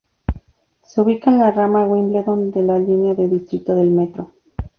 Se ubica en la rama Wimbledon de la línea de distrito del metro.